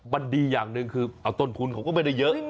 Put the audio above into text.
มันดีอย่างหนึ่งคือเอาต้นทุนเขาก็ไม่ได้เยอะ